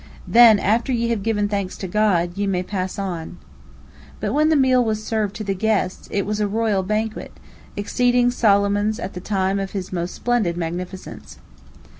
Then, after ye have given thanks to God, ye may pass on." But when the meal was served to the guests, it was a royal banquet, exceeding Solomon's at the time of his most splendid magnificence.